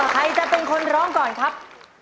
ใครจะเป็นคนร้องก่อนครับ